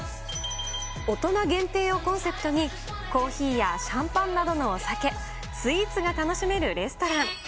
大人限定をコンセプトに、コーヒーやシャンパンなどのお酒、スイーツが楽しめるレストラン。